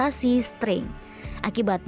aku akan berubah